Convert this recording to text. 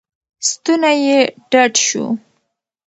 ستونی یې ډډ شو.